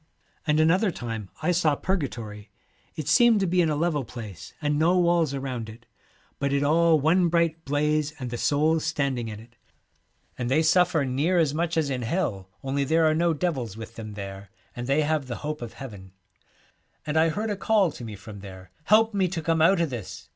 'And another time I saw Purgatory. It seemed to be in a level place, and no walls around it, but it all one bright blaze, and the souls standing in it. And they suffer 77 The near as much as in Hell, only there are no Twilight, devils with them there, and they have the hope of Heaven. * And I heard a call to me from there, " Help me to come out o' this!"